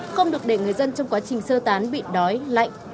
không được để người dân trong quá trình sơ tán bị đói lạnh